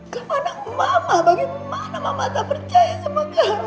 kau anak mama bagaimana mama tak percaya sama kau